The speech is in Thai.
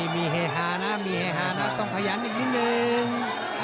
มีเฮฮานะมีเฮฮานะต้องขยันอีกนิดนึง